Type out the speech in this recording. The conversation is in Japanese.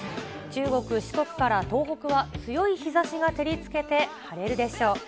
中国、四国から東北は強い日ざしが照りつけて、晴れるでしょう。